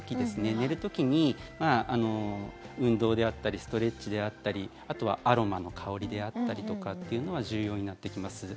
寝る時に運動であったりストレッチであったりあとはアロマの香りであったりというのは重要になってきます。